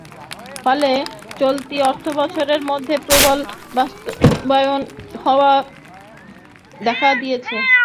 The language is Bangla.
ফলে চলতি অর্থবছরের মধ্যে প্রকল্প বাস্তাবয়ন হওয়া নিয়ে সংশয় দেখা দিয়েছে।